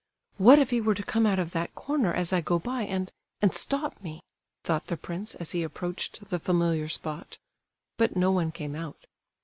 "What if he were to come out of that corner as I go by and—and stop me?" thought the prince, as he approached the familiar spot. But no one came out.